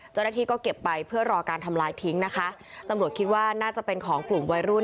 เจ้าหน้าที่ก็เก็บไปเพื่อรอการทำลายทิ้งนะคะตำรวจคิดว่าน่าจะเป็นของกลุ่มวัยรุ่น